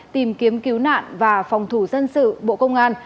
tìm kiếm cứu nạn và phòng thủ dân sự bộ công an